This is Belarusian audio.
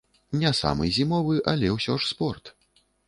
Не самы зімовы, але ўсё ж спорт.